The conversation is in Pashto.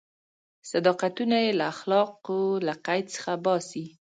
صداقتونه یې له اخلاقو له قید څخه باسي.